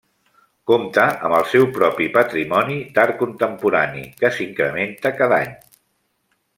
Compta amb el seu propi patrimoni d'art contemporani que s'incrementa cada any.